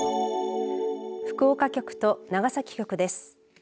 福岡局と長崎局です。